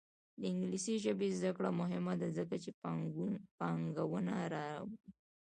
د انګلیسي ژبې زده کړه مهمه ده ځکه چې پانګونه راوړي.